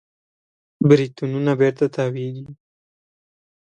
بریتونونه بېرته تاوېږي.